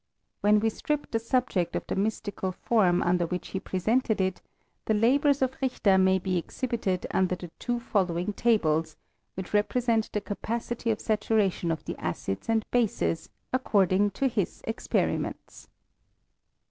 When we strip the subject of the mystical form under which he pre sented it, the labours of Richter may be exhibited under the two following tables, which represent the capacity of saturation of the acids and bases^ ac cording to his experiments.